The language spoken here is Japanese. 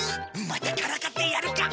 またからかってやるか。